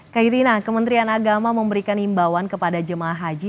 kairina kementerian agama memberikan himbauan kepada jemaah haji